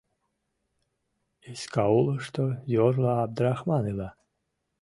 Искаулышто йорло Абдрахман ила.